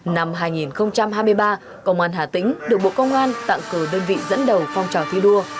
năm hai nghìn hai mươi ba công an hà tĩnh được bộ công an tặng cử đơn vị dẫn đầu phong trào thi đua